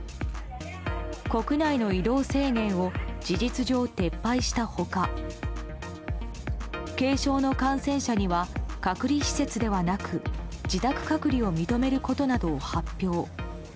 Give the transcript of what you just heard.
国内の移動制限を事実上撤廃した他軽症の感染者には隔離施設ではなく自宅隔離を認めることなどを発表。